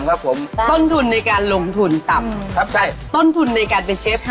ครับผมต้นทุนในการลงทุนต่ำครับใช่ต้นทุนในการไปเชฟค่ะ